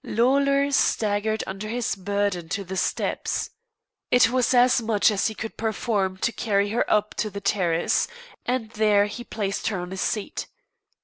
Lawlor staggered under his burden to the steps. It was as much as he could perform to carry her up to the terrace, and there he placed her on a seat.